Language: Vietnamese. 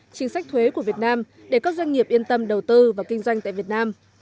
chính sách thuế của việt nam để các doanh nghiệp yên tâm đầu tư và kinh doanh tại việt nam